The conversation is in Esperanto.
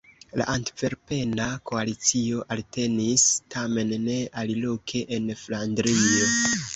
La antverpena koalicio eltenis; tamen ne aliloke en Flandrio.